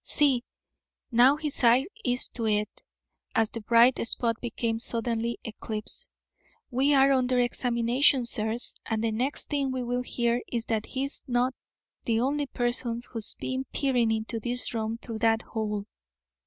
See! Now his eye is to it" (as the bright spot became suddenly eclipsed). "We are under examination, sirs, and the next thing we will hear is that he's not the only person who's been peering into this room through that hole."